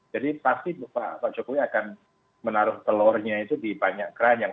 jadi pasti pak jokowi akan menaruh telurnya itu di banyak keranjang